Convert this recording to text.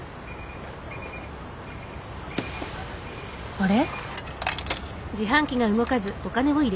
あれ？